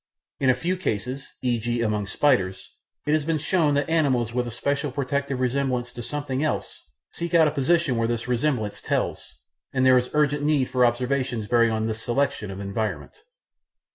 In a few cases, e.g. among spiders, it has been shown that animals with a special protective resemblance to something else seek out a position where this resemblance tells, and there is urgent need for observations bearing on this selection of environment.